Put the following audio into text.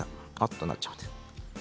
となっちゃうので。